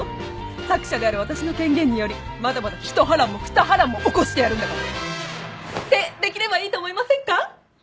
作者である私の権限によりまだまだ一波乱も二波乱も起こしてやるんだから！ってできればいいと思いませんか？